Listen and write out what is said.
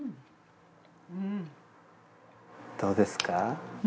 どうですか？